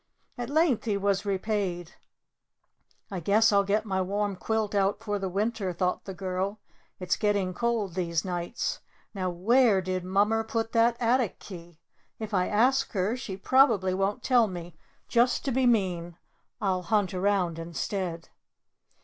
At length he was repaid. "I guess I'll get my warm quilt out for the winter," thought the girl. "It's getting cold these nights. Now, where did Mummer put that attic key? If I ask her, she probably won't tell me, just to be mean. I'll hunt around, instead."